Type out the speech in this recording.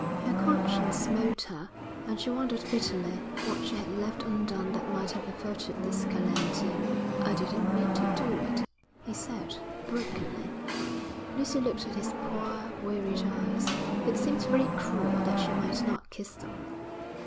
Her conscience smote her, and she wondered bitterly what she had left undone that might have averted this calamity. 'I didn't mean to do it,' he said, brokenly. Lucy looked at his poor, wearied eyes. It seemed very cruel that she might not kiss them.